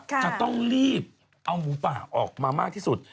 จะต้องรีบเอาหมูป่าออกมามากที่สุด